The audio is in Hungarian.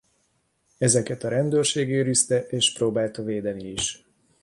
Ezeket a rendőrség őrizte és próbálta védeni is.